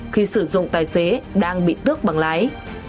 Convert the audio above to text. khi sử dụng tài xế đang bị tước bằng lái